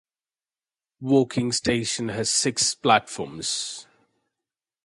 Woking Station has six platforms.